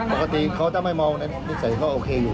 ปกติเขาจะไม่มองในนิสัยเขาโอเคอยู่